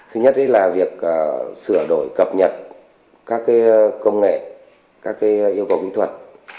thứ nhất là việc sửa đổi cập nhật các công nghệ các yêu cầu kỹ thuật